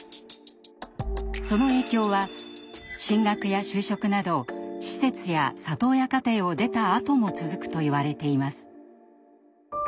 その影響は進学や就職など施設や里親家庭を出たあとも続くといわれています。